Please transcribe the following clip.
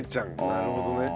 なるほどね。